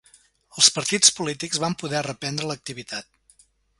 Els partits polítics van poder reprendre l'activitat.